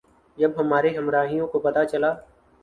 جب ہمارے ہمراہیوں کو پتہ چلا